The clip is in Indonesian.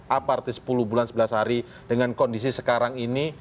apa arti sepuluh bulan sebelas hari dengan kondisi sekarang ini